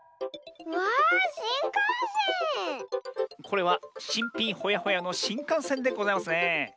これはしんぴんホヤホヤのしんかんせんでございますねえ。